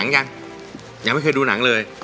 ยังยังไม่เคยดูหนังเลย